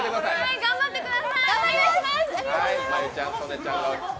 頑張ってください！